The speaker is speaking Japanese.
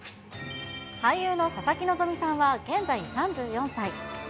俳優の佐々木希さんは現在３４歳。